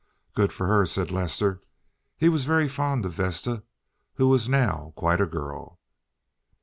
"Good for her," said Lester. He was very fond of Vesta, who was now quite a girl.